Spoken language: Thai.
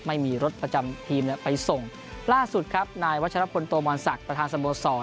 ไม่มีรถประจำทีมไปส่งล่าสุดครับนายวัชรพลโตมรศักดิ์ประธานสโมสร